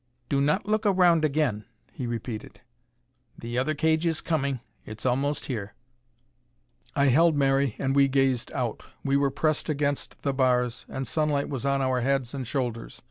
"Do not look around again," he repeated. "The other cage is coming; it's almost here." I held Mary, and we gazed out. We were pressed against the bars, and sunlight was on our heads and shoulders.